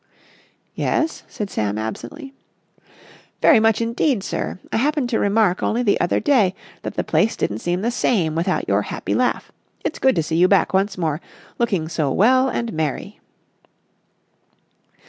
"Yes?" said Sam absently. "Very much indeed, sir. I happened to remark only the other day that the place didn't seem the same without your happy laugh. It's good to see you back once more, looking so well and merry."